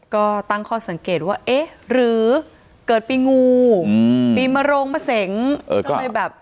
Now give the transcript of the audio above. ก็ตั้งข้อสังเกตว่าเอ๊ะหรือเกิดปีงูปีมะโรงมะเสงก็เลยแบบ